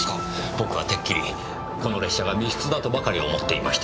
僕はてっきりこの列車が密室だとばかり思っていました。